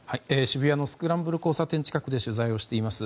渋谷のスクランブル交差点近くで取材をしています